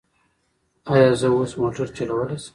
ایا زه اوس موټر چلولی شم؟